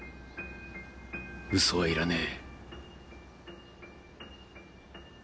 嘘はいらねえ。